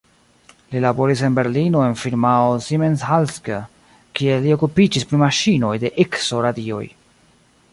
Li laboris en Berlino en firmao "Siemens–Halske", kie li okupiĝis pri maŝinoj de ikso-radioj.